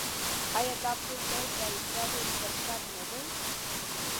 آیا دا پل د زاینده رود پر سر نه دی؟